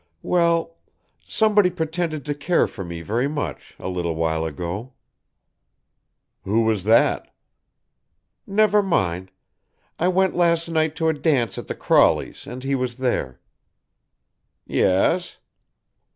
"Well somebody pretended to care for me very much a little while ago." "Who was that?" "Never mind. I went last night to a dance at the Crawleys' and he was there." "Yes."